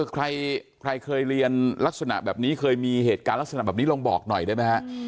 ใครเคยเรียนลักษณะแบบนี้เคยมีเหตุการณ์ลักษณะแบบนี้ลองบอกหน่อยได้ไหมฮะ